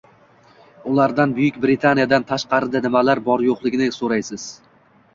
Ulardan Buyuk Britaniyadan tashqarida nimalar bor-yoʻqligini soʻraysiz.